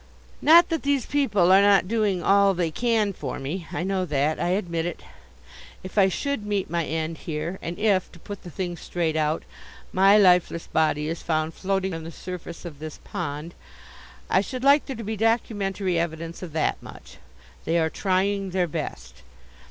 Not that these people are not doing all they can for me. I know that. I admit it. If I should meet my end here and if to put the thing straight out my lifeless body is found floating on the surface of this pond, I should like there to be documentary evidence of that much. They are trying their best.